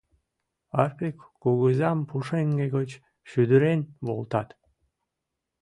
Арпик кугызам пушеҥге гыч шӱдырен волтат.